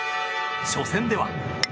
初戦では。